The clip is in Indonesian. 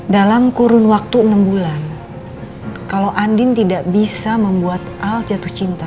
dalam kurun waktu enam bulan kalau andin tidak bisa membuat al jatuh cinta